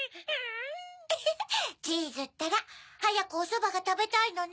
フフっチーズったらはやくおそばがたべたいのね。